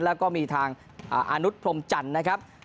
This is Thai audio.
แล้วก็มีทางอานุษยพรมจันทร์นะครับ